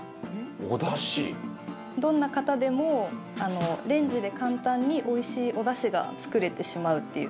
どんな方でもレンジで簡単においしいおだしが作れてしまうっていう。